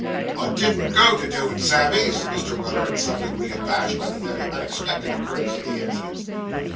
'I didn't go to do it, Sammy,' said Mr. Weller, in some degree abashed by the very unexpected occurrence of the incident.